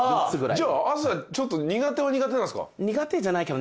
あじゃあ朝ちょっと苦手は苦手なんすか？